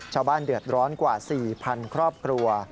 ชาวบ้านเดือดร้อนกว่า๔๐๐๐ครอบครัว